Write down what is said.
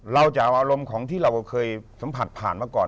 เราจะเอาอารมณ์ของที่เราเคยสัมผัสผ่านมาก่อน